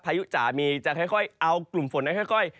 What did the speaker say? ยุจ่ามีจะค่อยเอากลุ่มฝนนั้นค่อย